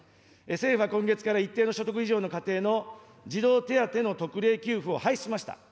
政府は今月から一定の所得以上の家庭の児童手当の特例を廃止しました。